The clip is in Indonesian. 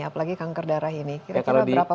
apalagi kanker darah ini kira kira berapa